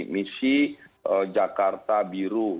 misi jakarta biru